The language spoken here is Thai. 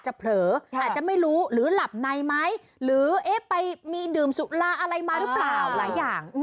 หรือเอ๊ะไปดื่ลสุดราอะไรมาหรือเปล่าหลายอย่าง